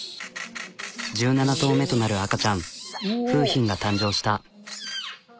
１７頭目となる赤ちゃん楓浜が誕生した。